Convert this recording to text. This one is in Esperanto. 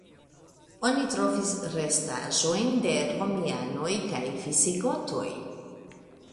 Oni trovis restaĵojn de romianoj kaj visigotoj.